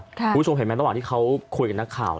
คุณผู้ชมเห็นไหมระหว่างที่เขาคุยกับนักข่าว